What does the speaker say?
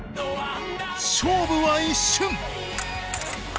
勝負は一瞬！